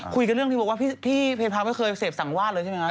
คุยกับเรื่องที่บอกว่าพี่เพพาไม่เคยเสพสังวาดเลยใช่ไหมครับ